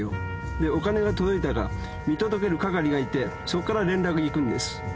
でお金が届いたか見届ける係がいてそっから連絡行くんです。